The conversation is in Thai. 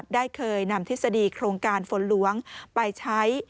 ได้เคยนำทฤษฎีโครงการฝนหลวงไปใช้